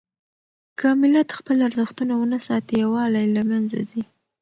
که ملت خپل ارزښتونه ونه ساتي، يووالی له منځه ځي.